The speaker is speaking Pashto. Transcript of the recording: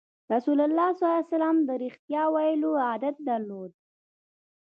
رسول الله ﷺ د رښتیا ویلو عادت درلود.